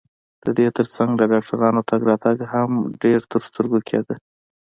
د دې ترڅنګ د ډاکټرانو تګ راتګ هم ډېر ترسترګو کېده.